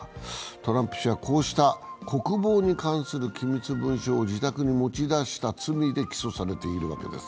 トランプ氏はこうした国防に関する機密文書を自宅に持ち出した罪で起訴されているわけです。